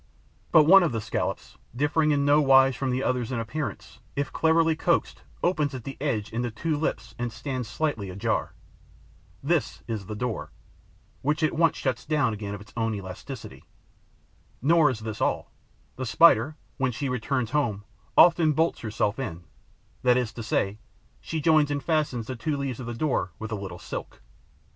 But one of the scallops, differing in no wise from the others in appearance, if cleverly coaxed, opens at the edge into two lips and stands slightly ajar. This is the door, which at once shuts again of its own elasticity. Nor is this all: the Spider, when she returns home, often bolts herself in, that is to say, she joins and fastens the two leaves of the door with a little silk.